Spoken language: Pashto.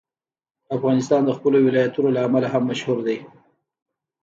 افغانستان د خپلو ولایتونو له امله هم مشهور دی.